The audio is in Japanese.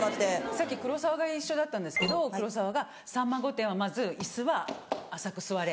さっき黒沢が一緒だったんですけど黒沢が『さんま御殿‼』はまず椅子は浅く座れ。